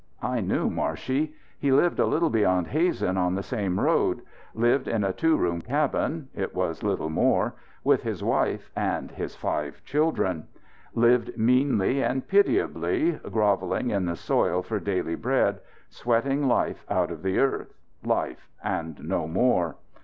I knew Marshey. He lived a little beyond Hazen on the same road. Lived in a two room cabin it was little more with his wife and his five children; lived meanly and pitiably, grovelling in the soil for daily bread, sweating life out of the earth life and no more.